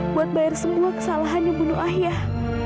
buat bayar semua kesalahan yang bunuh ayah